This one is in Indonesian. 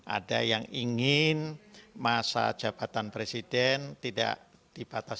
ada yang ingin masa jabatan presiden tidak dibatasi